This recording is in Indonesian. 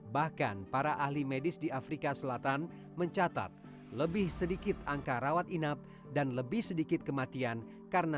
bahkan para ahli medis di afrika selatan mencatat lebih sedikit angka rawat inap dan lebih sedikit kematian